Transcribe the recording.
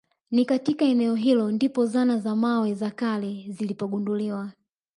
Ni katika eneo hilo ndipo zana za mawe za kale zilipogunduliwa